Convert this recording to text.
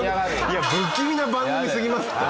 いや不気味な番組すぎますって。